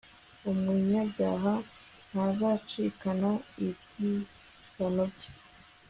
umunyabyaha ntazacikana ibyibano bye